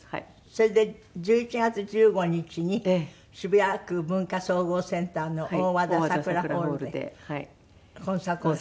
それで１１月１５日に渋谷区文化総合センターの大和田さくらホールでコンサートをなさる。